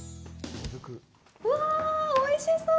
うわ、おいしそう！